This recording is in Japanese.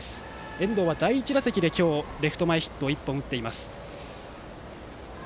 遠藤は第１打席でレフト前ヒットを１本打っています。